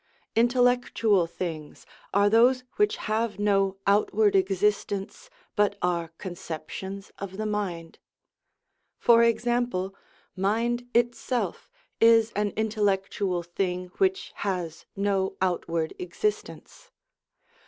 Intellectual things are those which have no outward existence, but are conceptions of the mind. For ex ample, mind itself is an intellectual thing which has no outward existence.